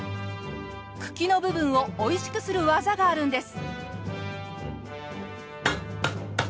茎の部分をおいしくする技があるんです。